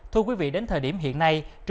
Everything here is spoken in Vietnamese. thưa quý vị đến thời điểm hiện nay